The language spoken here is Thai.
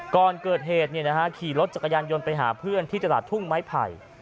ก่อนเกิดเหตุขี่รถจักรยานยนต์ไปหาเพื่อนที่ตลาดทุ่งไม้ไผ่